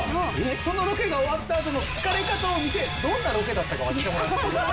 そのロケが終わったあとの疲れ方を見てどんなロケだったかを当ててもらう。